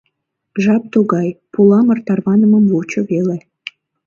Жап тугай, пуламыр тарванымым вучо веле.